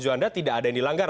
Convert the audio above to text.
juanda tidak ada yang dilanggar